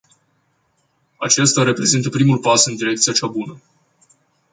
Acesta reprezintă primul pas în direcția cea bună.